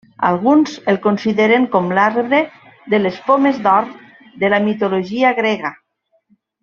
Alguns el consideren com l'arbre de les pomes d'or de la mitologia grega.